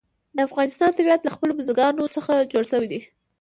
د افغانستان طبیعت له خپلو بزګانو څخه جوړ شوی دی.